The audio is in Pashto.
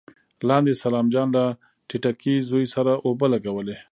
لاندې سلام جان له ټيټکي زوی سره اوبه لګولې.